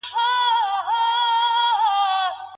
که فابریکې فلټرونه ولګوي، نو هوا نه زهرجنه کیږي.